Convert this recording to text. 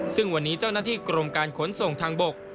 ซึ่งวันนี้เจ้าหน้าที่กรมการขนส่งทางบก